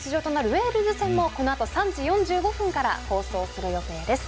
ウェールズ戦もこのあと３時４５分から放送する予定です。